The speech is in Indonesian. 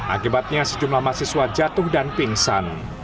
akibatnya sejumlah mahasiswa jatuh dan pingsan